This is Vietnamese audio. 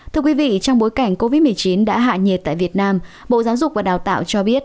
thưa quý vị trong bối cảnh covid một mươi chín đã hạ nhiệt tại việt nam bộ giáo dục và đào tạo cho biết